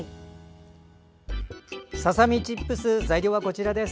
ささみチップス材料はこちらです。